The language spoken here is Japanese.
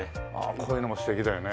こういうのも素敵だよね。